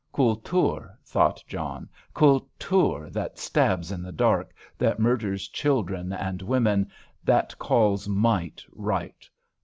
"Kultur," thought John; "Kultur, that stabs in the dark, that murders children and women; that calls might right.